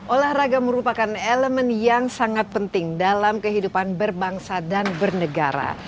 olahraga merupakan elemen yang sangat penting dalam kehidupan berbangsa dan bernegara